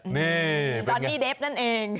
นี่จอนนี่เดฟนั่นเอง